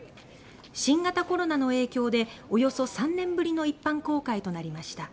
新型コロナの影響でおよそ３年ぶりの一般公開となりました。